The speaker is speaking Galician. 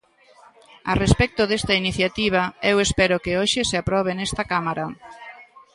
A respecto desta iniciativa, eu espero que hoxe se aprobe nesta Cámara.